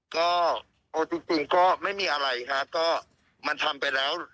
ก็เอาจริงก็ไม่มีอะไรฮะก็มันทำไปแล้ว